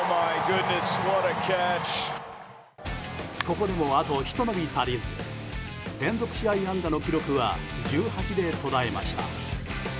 ここにもあとひと伸び足りず連続試合安打の記録は１８で途絶えました。